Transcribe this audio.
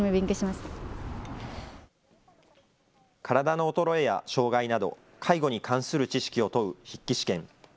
体の衰えや障害など、介護に関する知識を問う筆記試験。